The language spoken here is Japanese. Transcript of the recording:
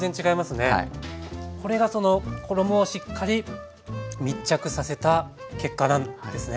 これが衣をしっかり密着させた結果なんですね。